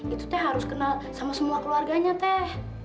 itu teh harus kenal sama semua keluarganya teh